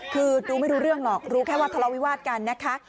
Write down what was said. คือรู้ไม่รู้เรื่องหรอกรู้แค่ว่าทะเลาวิวาสกันนะคะ